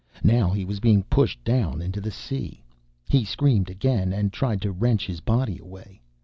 Now he was being pushed down into the sea. He screamed again and tried to wrench his body away.